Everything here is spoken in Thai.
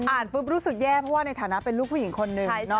ปุ๊บรู้สึกแย่เพราะว่าในฐานะเป็นลูกผู้หญิงคนนึง